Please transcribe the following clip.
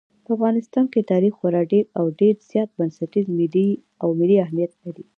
په افغانستان کې تاریخ خورا ډېر او ډېر زیات بنسټیز او ملي اهمیت لري.